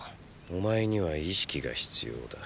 お前には意識が必要だ。